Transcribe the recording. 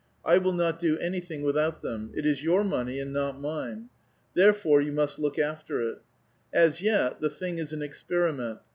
I will not do anything without tliem. It is your money, and not mine ; therefore, you must look after it. As yet, the thing is an experiment.